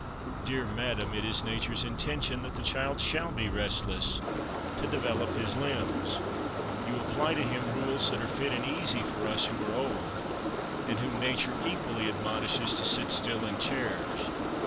Dear madame, it is nature's intention that the child shall be restless, to develop his limbs. You apply to him rules that are fit and easy for us who are old, and whom nature equally admonishes to sit still in chairs.